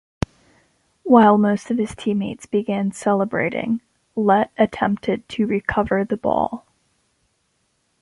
While most of his teammates began celebrating, Lett attempted to recover the ball.